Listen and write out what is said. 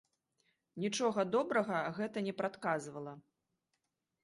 Нічога добрага гэта не прадказвала.